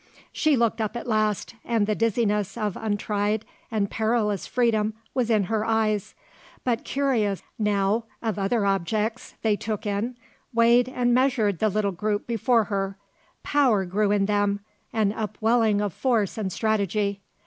She looked up at last, and the dizziness of untried and perilous freedom was in her eyes; but curious, now, of other objects, they took in, weighed and measured the little group before her; power grew in them, an upwelling of force and strategy.